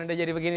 sudah jadi begini